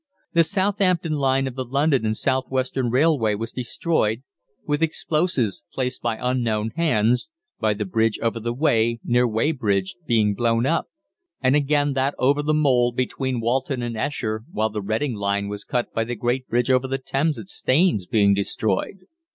The Southampton line of the London and South Western Railway was destroyed with explosives placed by unknown hands by the bridge over the Wey, near Weybridge, being blown up; and again that over the Mole, between Walton and Esher, while the Reading line was cut by the great bridge over the Thames at Staines being destroyed.